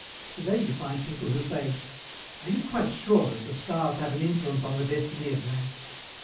Today you find people who say, 'Are you quite sure that the stars have an influence on the destiny of man?'